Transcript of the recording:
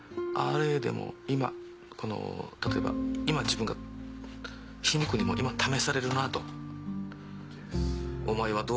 あれでも今自分が皮肉にも今試されるなと。